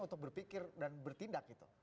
untuk berpikir dan bertindak gitu